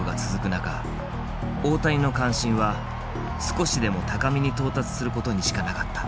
中大谷の関心は少しでも高みに到達することにしかなかった。